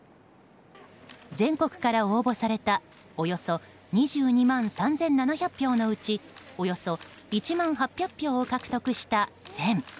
全国から応募されたおよそ２２万３７００票のうちおよそ１万８００票を獲得した「戦」。